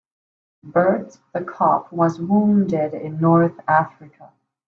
Bert the cop was wounded in North Africa.